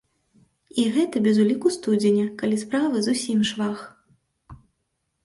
І гэта без уліку студзеня, калі справы зусім швах!